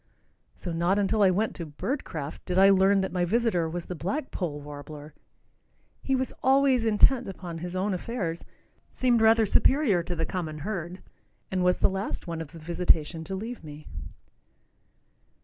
so not until I went to "Birdcraft" did I learn that my visitor was the black poll warbler. He was always intent upon his own affairs, seemed rather superior to the common herd, and was the last one of the visitation to leave me.